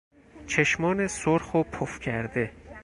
چشمان سرخ و پف کرده